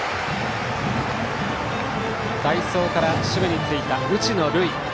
代走から守備についた打野琉生。